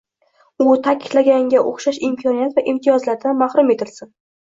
U ta’kidlaganga o’xshash imkoniyat va imtiyozlardan mahrum etilsin